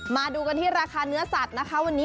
มาดูกันที่ราคาเนื้อสัตว์นะคะวันนี้